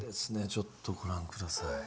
ちょっとご覧下さい。